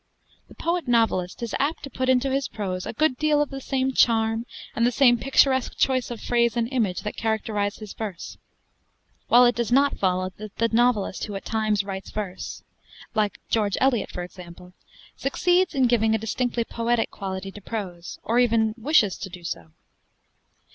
The poet novelist is apt to put into his prose a good deal of the same charm and the same picturesque choice of phrase and image that characterize his verse; while it does not follow that the novelist who at times writes verse like George Eliot, for example succeeds in giving a distinctly poetic quality to prose, or even wishes to do so.